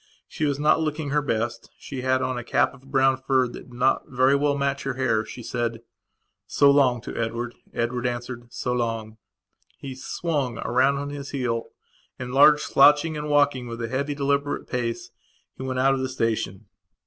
She was not looking her best; she had on a cap of brown fur that did not very well match her hair. She said: "So long," to Edward. Edward answered: "So long." He swung round on his heel and, large, slouching, and walking with a heavy deliberate pace, he went out of the station.